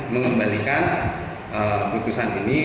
mengembalikan putusan ini